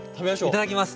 いただきます。